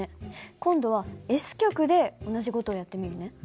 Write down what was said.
今度はＳ極で同じ事をやってみるね。